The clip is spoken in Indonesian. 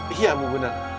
iya bu benar